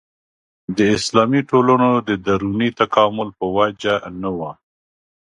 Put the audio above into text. د اسلامي ټولنو د دروني تکامل په وجه نه وه.